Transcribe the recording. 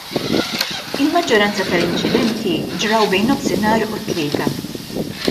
Il-maġġoranza tal-inċidenti ġraw bejn nofsinhar u t-tlieta.